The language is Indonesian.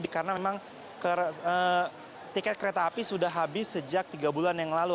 karena memang tiket kereta api sudah habis sejak tiga bulan yang lalu